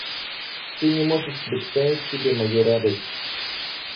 Ты не можешь представить себе мою радость!